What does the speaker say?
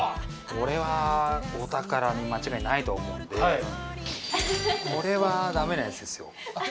これはお宝に間違いないと思うんでこれはダメなやつですよ